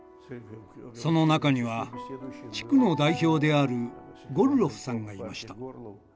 その中には地区の代表であるゴルロフさんがいました。